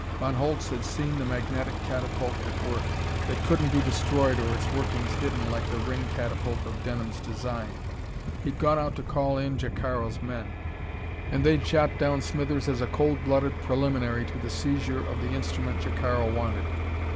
Von Holtz had seen the magnetic catapult at work. That couldn't be destroyed or its workings hidden like the ring catapult of Denham's design. He'd gone out to call in Jacaro's men. And they'd shot down Smithers as a cold blooded preliminary to the seizure of the instrument Jacaro wanted.